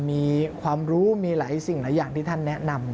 มีความรู้มีหลายสิ่งหลายอย่างที่ท่านแนะนำ